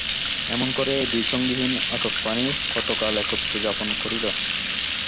এমনি করিয়া এই দুই সঙ্গীহীন একক প্রাণী কতকাল একত্র যাপন করিল।